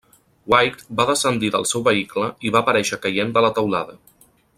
Wight va descendir del seu vehicle i va aparèixer caient de la teulada.